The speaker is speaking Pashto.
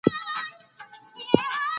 هغه پرون ډېر ناوخته ويده سو.